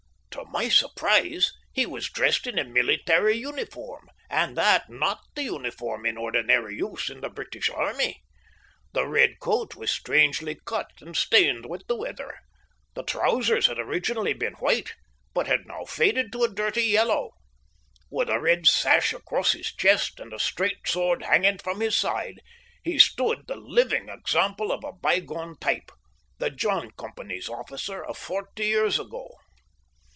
To my surprise he was dressed in a military uniform, and that not the uniform in ordinary use in the British Army. The red coat was strangely cut and stained with the weather. The trousers had originally been white, but had now faded to a dirty yellow. With a red sash across his chest and a straight sword hanging from his side, he stood the living example of a bygone type the John Company's officer of forty years ago.